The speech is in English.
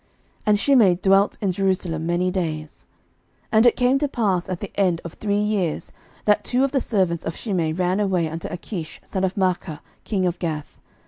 And Shimei dwelt in Jerusalem many days. 11:002:039 And it came to pass at the end of three years, that two of the servants of Shimei ran away unto Achish son of Maachah king of Gath.